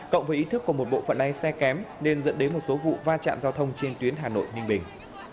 cộng với ý thức của một bộ phận lái xe kém nên dẫn đến một số vụ va chạm giao thông trên tuyến hà nội ninh bình